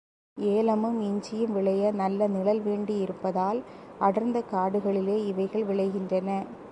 ஏலமும், இஞ்சியும் விளைய நல்ல நிழல் வேண்டியிருப்பதால் அடர்ந்த காடுகளிலேயே இவைகள் விளைகின்றன.